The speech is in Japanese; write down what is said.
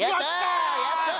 やったー！